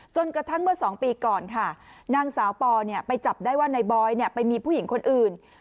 กระทั่งเมื่อ๒ปีก่อนค่ะนางสาวปอไปจับได้ว่านายบอยไปมีผู้หญิงคนอื่น